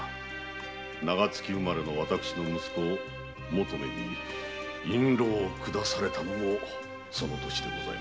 長月生まれの私の息子・求馬に印籠をくだされたのもその年でございます。